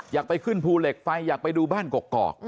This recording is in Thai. อยากไปขึ้นภูเหล็กไฟอยากไปดูบ้านกอก